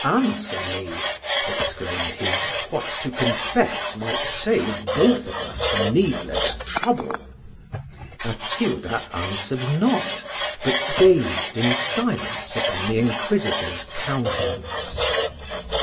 "Answer me," exclaimed he, "what to confess might save both of us needless trouble." Matilda answered not, but gazed in silence upon the inquisitor's countenance.